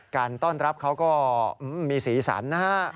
การต้อนรับเขาก็มีสีสันนะฮะ